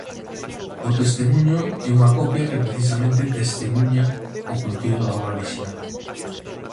O testemuño é unha copia que precisamente testemuña o contido da obra orixinal.